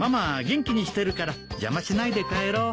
元気にしてるから邪魔しないで帰ろう。